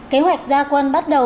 kế hoạch gia quân bắt nguồn